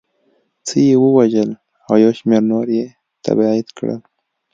څه یې ووژل او یو شمېر نور یې تبعید کړل